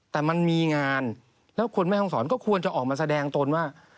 แต่มันมีงานแล้วคนแม่ห้องศรก็ควรจะออกมาแสดงตนว่า